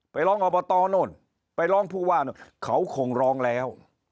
ไปร้องอบตโน่นไปร้องผู้ว่านู่นเขาคงร้องแล้ว